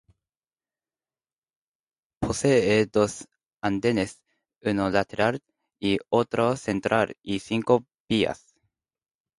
Posee dos andenes, uno lateral y otro central y cinco vías.